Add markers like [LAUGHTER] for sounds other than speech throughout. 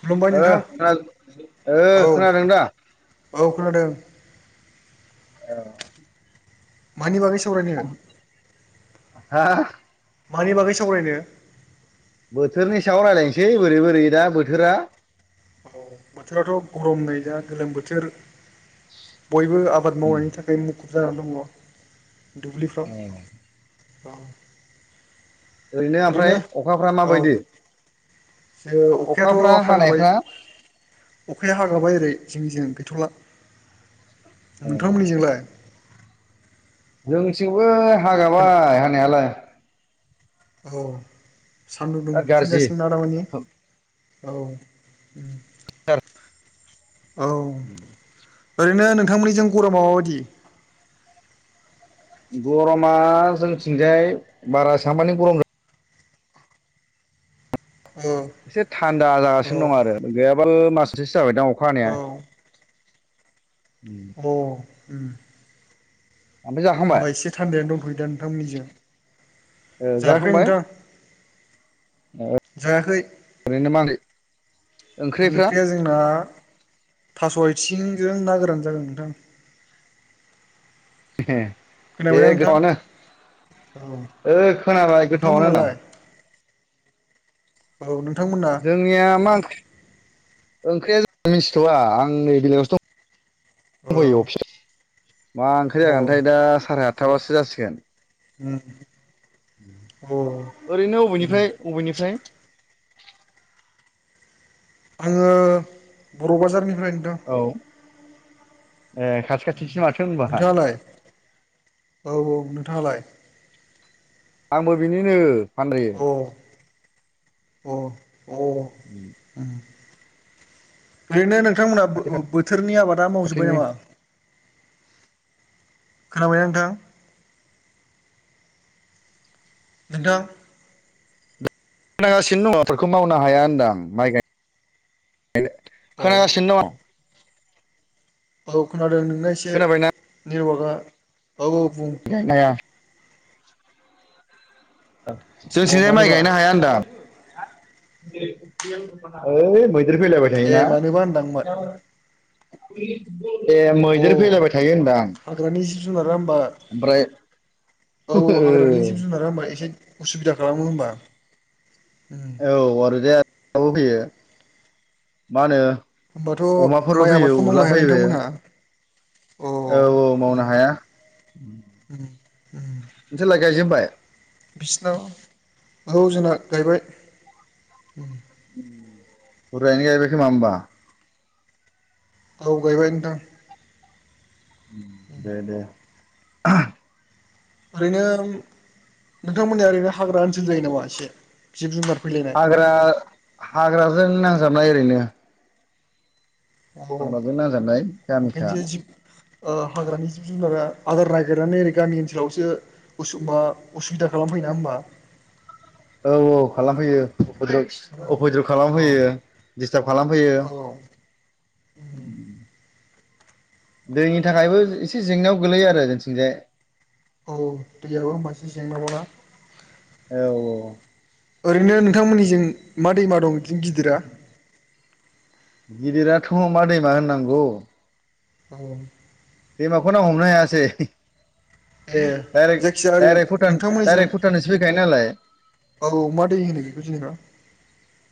खुलुमबाय ओ नोंथां खोनादो ओ औ खोनादों दा? औ खोनादों। औ मानि बागै सो [UNINTELLIGIBLE] हा मानि बागै सावरायनो? बोथोरनि सायाव रायलायनोसै बोरै बोरै दा बोथोरा? औ बोथोराथ' गरम नै जा गोलोम बोथोर बयबो आबाद मावनायनि थाखाय मुखुब जानानै दंङ। दुब्लिफ्राव अ ओरैनो ओमफ्राय अखाफ्रा माबायदि? जो अखायाथ' अखाफ्रा हागाबाय हानायफ्रा अखाया हागाबाय ओरै जोंनिजों गैथ'ला नोंथां मोननिजोंलाय? जोंथिंबो खोना हागाबाय हानायालाय। औ सानदुं दुं बिराद गाज्रि फिनगासिनो दा-दामानि औ [UNINTELLIGIBLE] औ ओरैनो नोंथांमोननिजों गरमा माबायदि? गरमा जोंथिंजाय बारा साम मानि गरम एसे औ थान्दा औ जागासिनो दं आरो गैयाबाल मासमोनसे सो जाबायदां अखा हानाया। औ अ [INAUDIBLE] उम जाखांबाय होमबा एसे थान्दायानो दंथ'योदा नोंथांमोननिजों? ओ जायाखै जाखांबाय? नोंथां ओ जायाखै [UNINTELLIGIBLE] ओंख्रिया जोंना थास' आथिंजों ना गोरान जागोन नोंथां। [UNINTELLIGIBLE] ए खोनाबायना नोंथां गोथावनो औ ओ खोनाबाय गोथावावनो होनदां नोंथांमोनालाय औ नो जोंनिया मा ओंख्रि ओंख्रिया जों मिथिथ'वा आंनि बेलेगावसो औ दं। फैयो अफिस मा ओंख्रि अ जागोनथाय दा साराय आतथाबासो जासिगोन उम अ ओरैनो उम बबेनिफ्राय अबेनिफ्राय आङो बर' बाजारनिफ्राय नोंथां। औ ए खाथि खाथिसो माथो होनबा नोंथाङालाय औ औ नोंथाङालाय। आंबो बिनिनो [UNINTELLIGIBLE] अ अ अ उम [INAUDIBLE] नोंथांमोना खाथि [UNINTELLIGIBLE] बोथोरनि आबादा मावजोबबाय खाथिनि नामा? खोनाबाय ना नोंथां? नोंथां। [UNINTELLIGIBLE] खोनागासिनो अ दङ। औ खोनादों नोंना एसे खोनाबायना नेटवार्कआ औ औ बुं। गायनो हाया जों अ सिंजाय माइ मानोबा गायनो हाया होनदां। [UNINTELLIGIBLE] देर फैलायबाय ए थायोना। मानोबा होनदांमोन ए अ मैदेर फैलायबाय थायो होनदां हाग्रानि जिब जुनारा होमबा ओमफ्राय औ ओ हाग्रानि जिब जुनारा होमबा एसे उसुबिदा खालामो होमबा। औ उम आरो [UNINTELLIGIBLE] फैयो मा होनो होमबाथ' अमाफोरबो माइ फैयो आबादखौ मावनो उरला हाया फैयो नोंथांमोनहा अ औ औ मावनो उम हाया उम उम नोंसोरलाय गायजेनबाय बिसिनाव औ जोंना गायबाय। बुरजायानो गायबाय खोमा होमबा। औ गायबाय नोंथां। दे दे। ओरैनो नोंथांमोनया ओरैनो हाग्रा ओनसोल जायो नामा एसे जिब जुनार फैलायनाय हाग्रा हाग्राजों नांजाबनाय ओरैनो [UNINTELLIGIBLE] ओ हाग्राजों नांजाबनाय गामिखा हाग्रानि जिब जुनारा आदार नागिरनानै ओरै गामि ओनसोलावसो [UNINTELLIGIBLE] मा उसुबिदा खालाम [UNINTELLIGIBLE] [UNINTELLIGIBLE] औ औ खालामफैयो। औ [UNINTELLIGIBLE] औ खालामफैयो डिस्टार्ब खालामफैयो। औ उ दैनि थाखायबो एसे जेंनायाव गोलैयो आरो जोंथिंजाय औ दैयाबो मोनसे जेंना बाव ना औ औ। ओरैनो नोंथांमोननिजों मा दैमा दं बिदि गिदिरा गिदिराथ' मा दैमा होननांगौ औ। दैमाखौ नाव हमनो हायासै। ए दाइरेक जायखिजाया ओरै दाइरेक भुटान नोंथांमोननिजों दाइरेक्ट भुटानसो फैखायो नालाय। औ मा दै होनो बेखौ जेनेबा।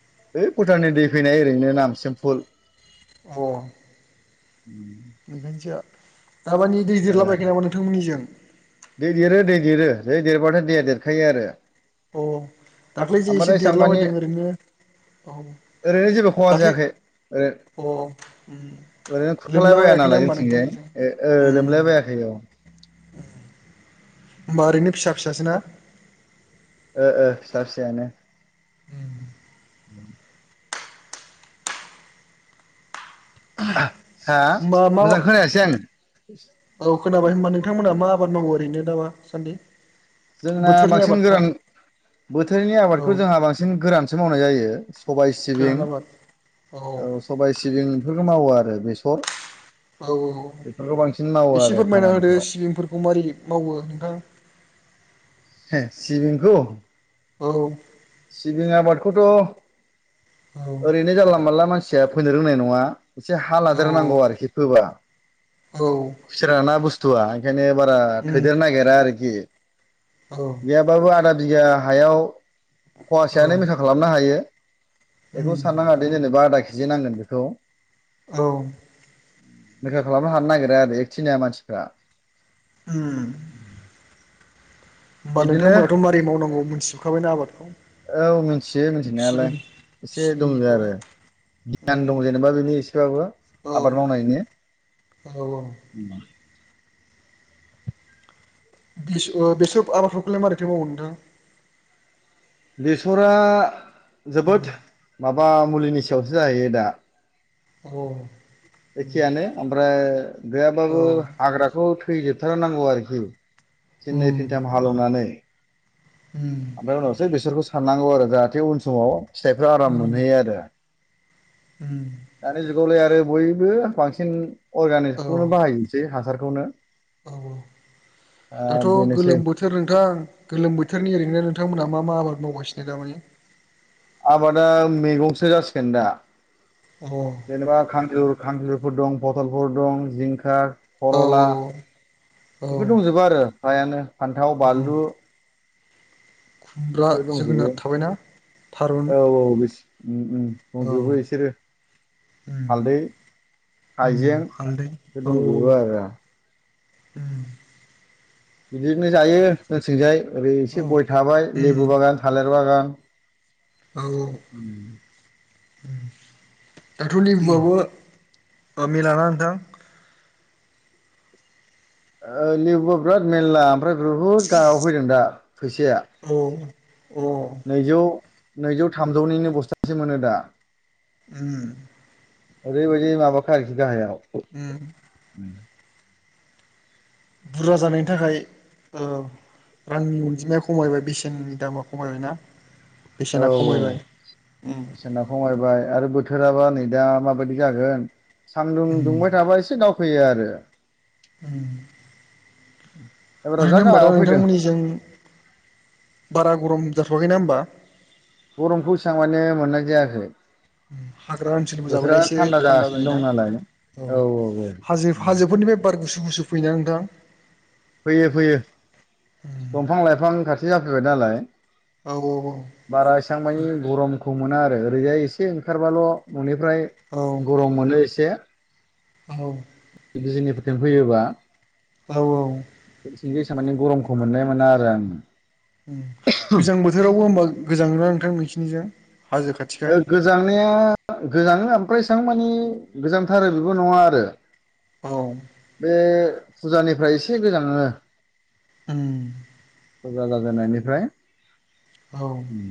[UNINTELLIGIBLE] भुटाननि दै फैनाय ओरैनो नामसिमफुल। औ। उम। ओंखायनोसो दामानि दै देरलाबायाखै नामा नोंथांमोननिजों। दै देरो दै देरो दै देरबथाय दैया देरखायो आरो। अ दाख्लै जे एसे देरला बायदों ओरैनो औ ओरैहाय जेबो खहा जायाखै ओरै अह ओम। ओरैनो खुरखालायबाया लोमलाबायाखैना नालाय होमबा नोंथाङ जोंथिंजाय निजों ओ ओ लोमलायबायाखै औ ओम। होमबा ओरैनो फिसा फिसासो ना। ओह ओह फिसा फिसायानो। हा होमबा मा मोजां खोनायासै आं औ खोनाबाय होनबा नोंथांमोना मा आबाद मावो ओरैनो दा मा सान्दि जोंना बांसिन गोरान बोथोरनि औ आबादखौ जोंहा बांसिन गोरानसो मावनाय जायो सबाय सिबिं गोरान आबाद औ सबाय सिबिं बेफोरखौ मावो आरो बेसर औ औ बेफोरखौ बांसिन मावो एसे आरो फोरमायना होदो खामानिखौ सिबिंफोरखौ मारै मावो नोंथां एह सिबिंखौ? औ सिबिं आबादखौथ' औ ओरैनो जानला मानला मानसिया फैनो रोंनाय नङा एसे हा लादेर औ नांगौ आरोखि फोबा औ खुसिर ना बुस्थुआ ओंखायनो बारा उम थैदेर नागिरा आरोखि औ गैयाबाबो आधा बिगा हायाव औ फवासेयानो मोसा खालामनो हायो बेखौ उम साननाङा दे जेनेबा आधा केजि नांगोन बेखौ औ रोखा खालामनो हानो नागिरा आरो ए थिनिआ मानसिफ्रा ओम होमबा बिदिनो नोंथांमोनहाथ' मारै मावनांगौ मोनथिजोबखाबायना आबादखौ औ मिथियो मिथिनायालाय सिबिं एसे दंजो सिबिंनिखौ आरो गियान उम दं जेनेबा बेनि एसेबाबो औ आबाद मावनायनि औ औ बिसो ओ बेसोर आबादफोरखौलाय मारैथो मावो नोंथां बेसरा जोबोद उम माबा मुलिनि सायावसो जाहैयो दा औ एखेयानो ओमफ्राय औ गैयाबाबो हाग्राखौ फैजोबथारनांगौ आरोखि फिननै उम फिनथाम हालौवनानै उम ओमफ्राय उनावसो बिसोरखौ साननांगौ आरो जाहाथे उन समाव फिथाइफ्रा आराम उम मोनहैयो आरो उम दानि जुगआवलाय आरो बयबो बांसिन औ अर्गानिकखौनो बाहायसै हासारखौ औ औ दाथ' ओ बेनोसै गोलोम बोथोर नोंथां गोलोम बोथोरनि ओरैनो नोंथांमोनहा मा मा आबाद मावगासिनो दामानि? आबादा मैगंसो जासिगोन दा अ औ जेनेबा खानजर खांख्रिफोर दं फथलफोर दं जिंखा औ खरला औ बेफोर दंजोबो आरो फ्रायानो फान्थाव उम बानलु खुमब्रा बेखौ दंजोबो जोगोनार थाबायना थारुन औ औ बेसे ओम ओम औ दंजोबो बिसोरो उम हालदै उम हाइजें हालदै बे दंजोबो आरो ओम बिदिनो जायो जोंथिंजाय ओरै औ एसे गय थाबाय उम लेबु बागान थालिर बागान [INAUDIBLE] औ ओम दाथ' लिबुआबो ओ मेलाना नोंथां ओ लेबुआ बिराद मेलला ओमफ्राय बहुद गायाव फैदों दा फैसाया औ अ नैजौ नैजौ थामजौनिनो बस्थासे मोनो दा। ओम ओरैबायदि माबाखा आरोखि गाहायाव। ओम बुरजा जानायनि थाखाय औ रांनि अनजिमाया खमायबाय बेसेननि दामा खमायबाय ना? औ बेसेना औ बेसेना खमायबाय आरो बोथोराबा नै दा माबायदि जागोन सानदुं उम दुंबाय थाबा एसे दावखो फैयो आरो। उम [INAUDIBLE] जा ओरैनो होमबा दा गाहायाव फैदों नोंथांमोननिजों बारा गरम जाथ'वाखै ना होमबा? गरमखौ एसां माने मोननाय जायाखै। हाग्रा ओनसोलबो बोथोरा जाबायना एसे थान्दा जागासिनो जायोना। दं नालाय औ हाजो हाजोफोरनिफ्राय बार गुसु गुसु फैयोना नोंथां? फैयो फैयो-दंफां लाइफां खाथि जाफैबाय नालाय। औ बारा एसां मानि गरमखौ मोना आरो ओरैजाय एसे ओंखारबाल' न'निफ्राय औ गरम मोनो एसे। औ बिजिनि फोरथिं फैयोबा। औ औ। माने गरमखौ मोननाय मोना आरो आं। गोजां बोथोरावबो होमबा गोजाङो ना नोंथां नोंखिनिजाय? ओ गोजांनाया गोजाङो। एसां माने गोजांथारो बेबो नङा आरो औ बे फुजानिफ्राय एसे गोजाङो। उम फुजा जाजेननायनिफ्राय। औ उम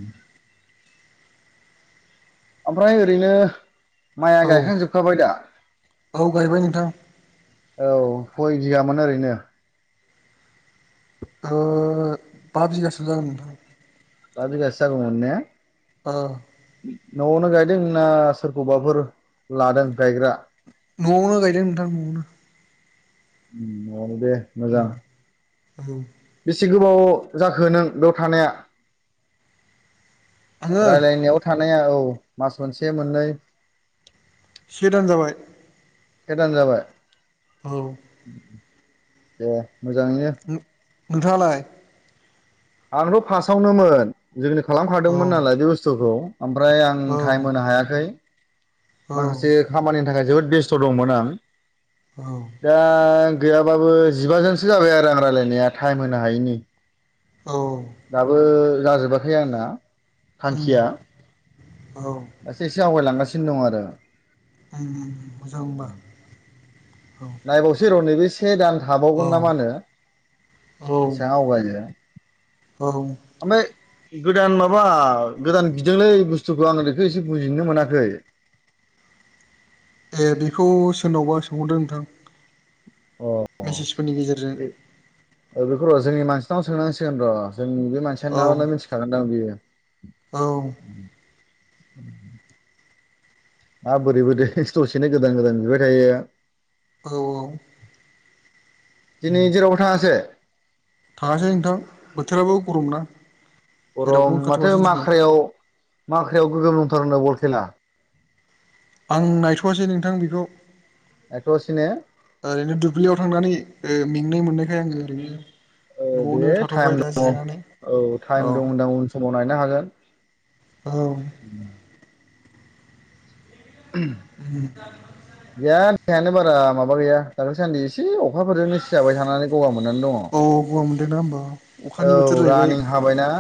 ओमफ्राय ओरैनो माइआ औ गायखांजोबखाबाय दा? औ गायबाय नोंथां औ कै बिघामोन ओरैनो? ओ पास बिघासो जागोन नोंथां। बा बिघासो जागौमोन ने? औ न'आवनो गायदों ना सोरखौबाफोर लादों गायग्रा? न'आवनो गायदों नोंथां न'आवनो। उम औ दे मोजां। औ बेसे गोबाव जाखो नों बेयाव थानाया? औ आङो रायलायनायाव थानाया औ मास मोनसे मोननै? से दान जाबाय। से दान जाबाय। औ ए मोजाङैनो। नोंथाङालाय? आंथ' फास्टआवनोमोन जोंनो औ खालामखादोंमोन नालाय बे बुस्थुखौ। ओमफ्राय आं औ टाइम होनो हायाखै। औ माखासे खामानिनि थाखाय जोबोद बेस्थ' दंमोन आं। औ दा गैयाबाबो जिबाजोनसो जाबाय आरो आं रायलायनाया टाइम होनो हायिनि। औ दाबो जाजोबाखै आंना उम थांखिया। औ उम एसे एसे आवगायलांगासिनो दं आरो। उम उम मोजां होमबा। औ नायबावसै र' नैबे से दान औ थाबावगोन ना मा होनो औ बेसेबां आवगायो। औ ओमफ्राय गोदान माबा गोदान बिदोंलै बुस्थुखौ आं बेखौ एसे बुजिनो मोनाखै। [INAUDIBLE] ए बेखौ सोरनावबा सोंहरदों नोंथां। ओ मेसेजफोरनि गेजेरजों बेखौ र' जोंनि मानसिनाव सोंनांसिगोन र' जोंनि बे मानसियानो औ नानो मिथिखागोनदां बियो औ [INAUDIBLE] मा बोरै बोरै दसेनो गोदान गोदान बिबाय थायो औ दिनै जेरावबो थाङासै थाङासै नोंथां बोथोराबो गरम ना जेरावबो गरम माथो ओंखारथ'वासै दिनै माख्रायाव माख्रायाव गोग्गोम दंथारनो बल खेला आं नायथ'वासै नोंथां बेखौ एथ'सिनो ओरैनो दुब्लियाव थांनानै मेंनाय मोननायखाय आङो ओरैनो न'आवनो दे थाथ'बाय टाइम दा दङ जिरायनानै औ टाइम दं होनदां उन समाव नायनो हागोन औ गैया देहायानो बारा माबा गैया दाखै सान्दि एसे अखाफोरजोंनो सिजाबाय थानानै गगा मोननानै दङ औ गगा मोनदोंना होमबा अखानि बोथोर औ जाहैबाय रानिं हाबायना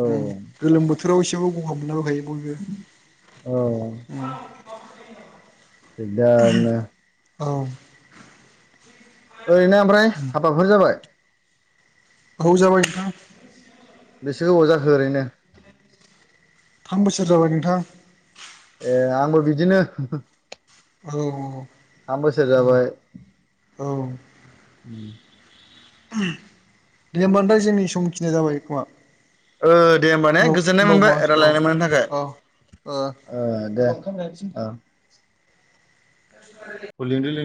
औ उम गोलोम बोथोराव एसेबाबो गगा मोनलाबायखायो बयबो औ दिगदारनो औ ओरैनो ओमफ्राय हाबाफोर जाबाय औ जाबाय नोंथां बेसे गोबाव जाखो ओरैनो थाम बोसोर जाबाय नोंथां ए आंबो बिदिनो औ थाम बोसोर जाबाय औ दे ओमबा नोंथां जोंनि समखिनाय जाबाय खोमा ओ दे होमबा ने उनाव गोजोननाय उनाव मोनबाय मा औ रायज्लायनो मोननायनि औ ओ थाखाय दे [INAUDIBLE]